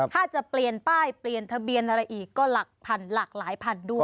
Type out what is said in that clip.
ถ้าจะเปลี่ยนป้ายเปลี่ยนทะเบียนอะไรอีกก็หลักพันหลากหลายพันด้วย